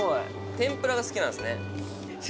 天ぷらが好きなんですね。